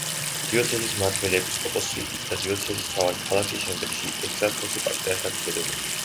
დიოცეზის მმართველი ეპისკოპოსი, იჯდა დიოცეზის მთავარ ქალაქში, შემდეგში ეგზარქოსი პატრიარქად იწოდებოდა.